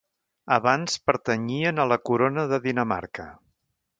Abans pertanyien a la Corona de Dinamarca.